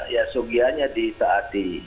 ya seogianya ditaati